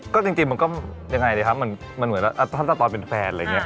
ก็จริงมันก็ยังไงดีครับมันเหมือนตั้งแต่ตอนเป็นแฟนอะไรอย่างนี้